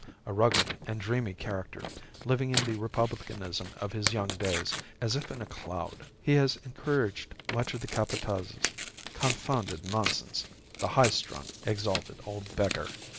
A rugged and dreamy character, living in the republicanism of his young days as if in a cloud. He has encouraged much of the Capataz's confounded nonsense the high strung, exalted old beggar!"